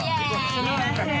すいません。